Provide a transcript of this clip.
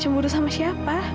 cemburu sama siapa